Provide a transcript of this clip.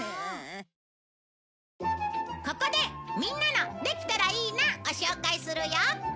ここでみんなの「できたらいいな」を紹介するよ！